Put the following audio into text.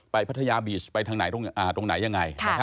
พัทยาบีชไปทางไหนตรงไหนยังไง